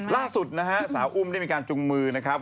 ล่าสุดนะฮะสาวอุ้มได้มีการจุงมือนะครับ